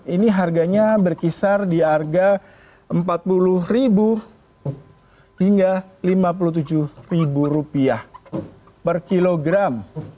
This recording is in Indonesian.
ini harganya berkisar di harga empat puluh ribu hingga lima puluh tujuh ribu rupiah per kilogram